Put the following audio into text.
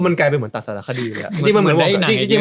มันกลายเป็นเหมือนตัดสารคดีเลย